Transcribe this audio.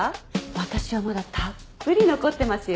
私はまだたっぷり残ってますよ。